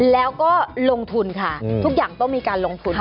แล้วก็ลงทุนค่ะทุกอย่างต้องมีการลงทุน